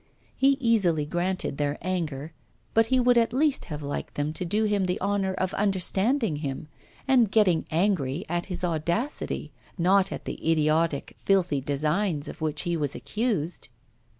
He easily granted their anger, but he would at least have liked them to do him the honour of understanding him and getting angry at his audacity, not at the idiotic, filthy designs of which he was accused.